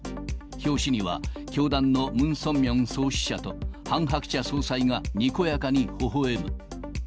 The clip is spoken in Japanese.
表紙には、教団のムン・ソンミョン創始者とハン・ハクチャ総裁がにこやかにほほえむ。